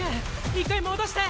一回戻して！